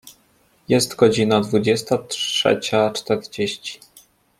Jest godzina dwudziesta trzecia czterdzieści.